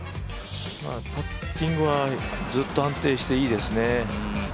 パッティングはずっと安定していいですね。